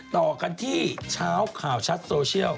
ต่อกันที่เช้าข่าวชัดโซเชียล